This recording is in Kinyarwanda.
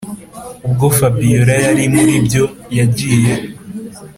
ubwo fabiora yarimuribyo yagiye